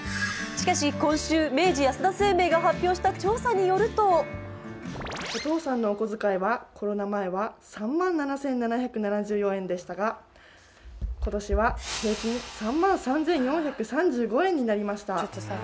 しかし今週、明治安田生命が発表した調査によるとお父さんのお小遣いはコロナ前は３万７７７４円でしたが今年は平均３万３４３５円になりました